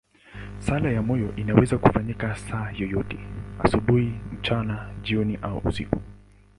Sala ya moyo inaweza kufanyika saa yoyote, asubuhi, mchana, jioni au usiku.